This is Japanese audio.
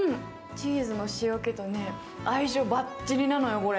チーズの塩気と相性バッチリなのよ、これ。